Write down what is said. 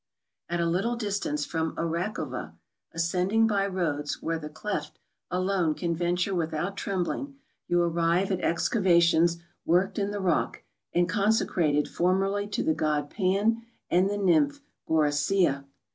At a little distance from Arakliova, ascending by roads where the Klepht alone can venture witliout trembling, you arrive at excavations worked in the rock and consecrated formerly to tlie god Pan and tlie nymph Gorycia.